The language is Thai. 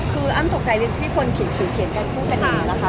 คืออ้ำตกใจที่คนเขียนกันพูดกันนะคะ